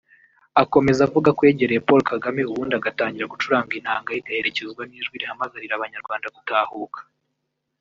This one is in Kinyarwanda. Akomeza avuga ko yegereye Paul Kagame ubundi agatangira gucuranga intanga ye igaherekezwa n’ijwi rihamagarira abanyarwanda gutahuka